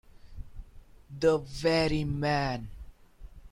The very man.